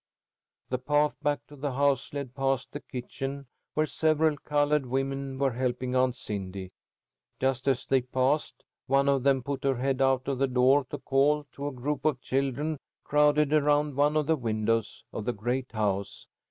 The path back to the house led past the kitchen, where several colored women were helping Aunt Cindy. Just as they passed, one of them put her head out of the door to call to a group of children crowded around one of the windows of the great house.